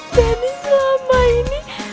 jadi selama ini